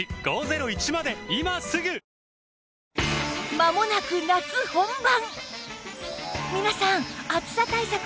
まもなく夏本番！